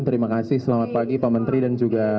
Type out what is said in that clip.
terima kasih selamat pagi pak menteri dan juga